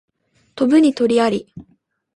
飛ぶに禽あり